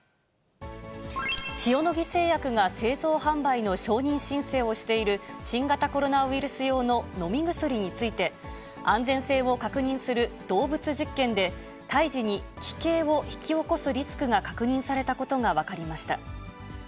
塩野義製薬が製造販売の承認申請をしている、新型コロナウイルス用の飲み薬について、安全性を確認する動物実験で、胎児に奇形を引き起こすリスクが確認されたことが分かりました。